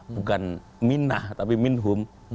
bukan minah tapi minhum